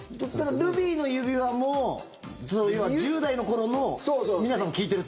「ルビーの指環」も１０代の頃の皆さん聴いてると。